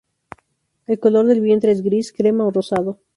El color del vientre es gris, crema o rosado.